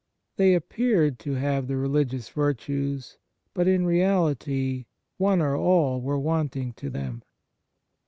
They appeared to have the religious virtues, but in reality one or all were wanting to them.